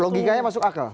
logikanya masuk akal